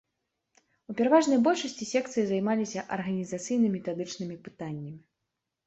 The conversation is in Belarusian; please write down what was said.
У пераважнай большасці секцыі займаліся арганізацыйна-метадычнымі пытаннямі.